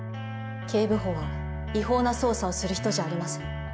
警部補は違法な捜査をする人じゃありません。